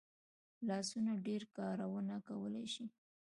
لاسونه ډېر کارونه کولی شي